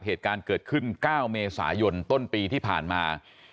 เหตุการณ์เกิดขึ้น๙เมษายนต้นปีที่ผ่านมา